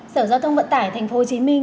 sở giao thông vận tải tp hcm